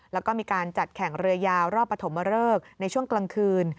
แล้วก็มีการจัดแข่งเรือยาวรอบปฐมเริกในช่วงกลางคืน